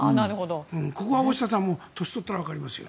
ここは大下さんも年を取ったらわかりますよ。